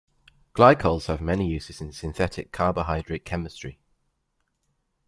Glycals have many uses in synthetic carbohydrate chemistry.